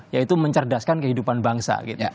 yaitu mencerdaskan kehidupan bangsa